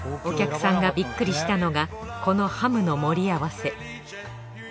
お客さんがビックリしたのがこのハムの盛り合わせ。